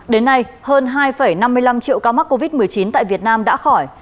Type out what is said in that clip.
đến nay hơn hai năm mươi năm triệu ca mắc covid một mươi chín tại việt nam đã khỏi